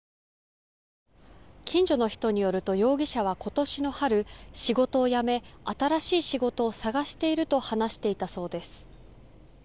近所の人によると容疑者は今年の春、仕事を辞め新しい仕事を探していると話していたそうです。